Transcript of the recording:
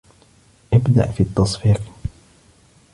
ابدأ في التّصفيق.